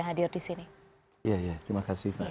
hadir disini ya ya terima kasih